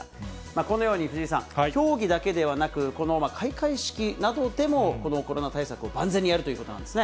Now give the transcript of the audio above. このように藤井さん、競技だけではなく、この開会式などでもコロナ対策を万全にやるということなんですね。